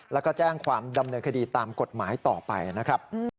แล้วก็แจ้งความดำเนินคดีตามกฎหมายต่อไปนะครับ